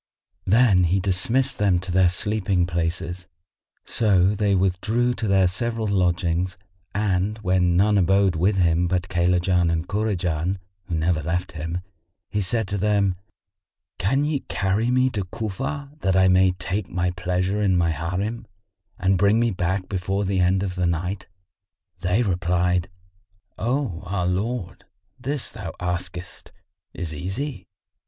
Then he dismissed them to their sleeping places; so they withdrew to their several lodgings, and when none abode with him but Kaylajan and Kurajan, who never left him, he said to them, "Can ye carry me to Cufa that I may take my pleasure in my Harim, and bring me back before the end of the night?" They replied, "O our lord, this thou askest is easy."